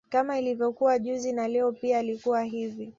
Kama ilivokuwa juzi na Leo pia alikuwa hivi